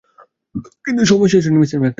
কিন্তু সময় এখনো শেষ হয়নি মিসেস ম্যাকনালি।